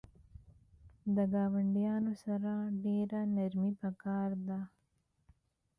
د ګاونډیانو سره ډیره نرمی پکار ده